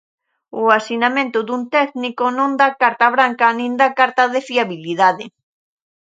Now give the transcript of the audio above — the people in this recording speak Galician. O asinamento dun técnico non dá carta branca nin dá carta de fiabilidade.